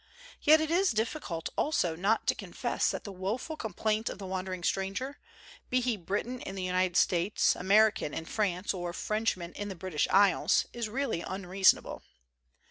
Yet it is diffi cult also not to confess that the woful complaint of the wandering stranger, be he Briton in the United States, American in France, or French man in the British Isles, is really unreasonable.